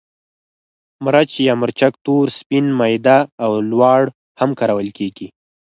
مرچ یا مرچک تور، سپین، میده او لواړ هم کارول کېږي.